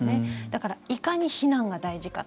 だから、いかに避難が大事か。